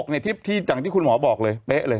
ที่อย่างที่คุณหมอบอกเลยเป๊ะเลย